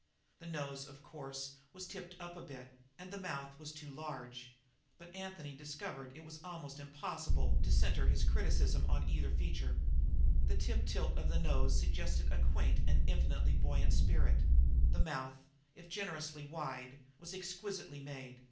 The nose, of course, was tipped up a bit, and the mouth too large, but Anthony discovered that it was almost impossible to centre his criticism on either feature. The tip tilt of the nose suggested a quaint and infinitely buoyant spirit; the mouth, if generously wide, was exquisitely made.